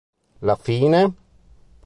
La fine?